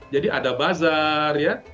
jadi ada bazar ya